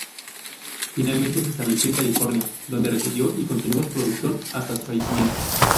Finalmente, se estableció en California, donde residió y continuó su producción hasta su fallecimiento.